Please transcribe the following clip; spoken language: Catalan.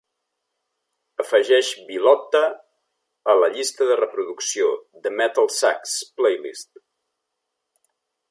Afegeix Villotta a la llista de reproducció The MetalSucks Playlist